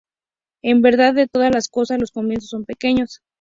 En verdad, de todas las cosas los comienzos son pequeños.